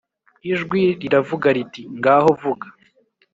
Ijwi riravuga riti «Ngaho vuga!»